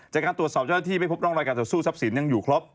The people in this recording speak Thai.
จากการตรวจสอบเจ้าหน้าที่ไม่พบร่องรอยการต่อสู้ทรัพย์สินยังอยู่ครบ